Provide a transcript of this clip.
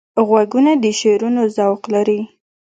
غوږونه د شعرونو ذوق لري